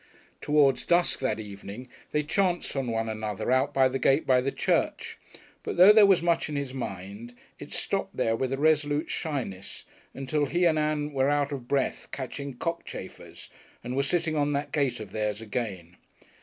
Towards dusk that evening they chanced on one another at the gate by the church; but though there was much in his mind, it stopped there with a resolute shyness until he and Ann were out of breath catching cockchafers, and were sitting on that gate of theirs again.